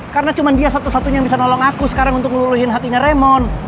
karena cuma dia satu satunya yang bisa nolong aku sekarang untuk meluluhin hatinya raymond